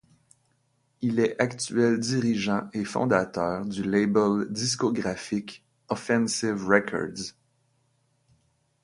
Il est actuel dirigeant et fondateur du label discographique Offensive Records.